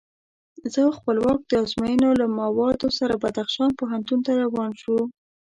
زه او خپلواک د ازموینو له موادو سره بدخشان پوهنتون ته روان شوو.